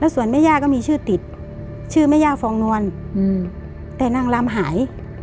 ส่วนแม่ย่าก็มีชื่อติดชื่อแม่ย่าฟองนวลแต่นางลำหาย